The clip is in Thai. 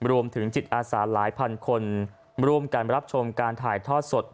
รวมถึงจิตอาสาหลายพันคนร่วมกันรับชมการถ่ายทอดสด